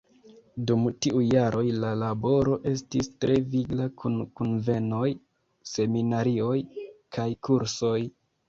Dum tiuj jaroj la laboro estis tre vigla kun kunvenoj, seminarioj kaj kursoj.